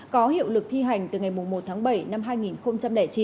có hiệu lực thi hành từ ngày một tháng bảy năm hai nghìn chín